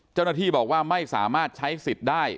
เจ้าหน้าที่บอกว่าไม่สามารถใช้สิทธิ์ได้